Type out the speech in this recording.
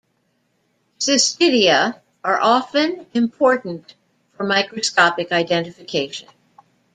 Cystidia are often important for microscopic identification.